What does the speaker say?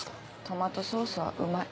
トマトソースはうまい。